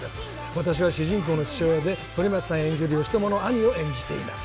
私は主人公の父親で反町さん演じる義知の兄を演じています。